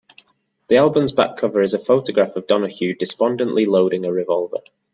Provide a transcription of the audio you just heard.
The album's back cover is a photograph of Donahue despondently loading a revolver.